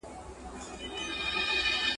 که لوښي پریمنځو نو مچان نه راځي.